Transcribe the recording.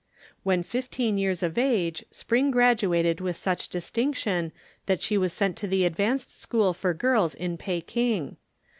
When fifteen years of age Spring graduated with such distinction that she was sent to the advanced school for girls in Peking.